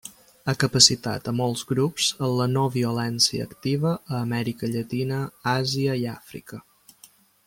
Ha capacitat a molts grups en la no-violència activa a Amèrica Llatina, Àsia i Àfrica.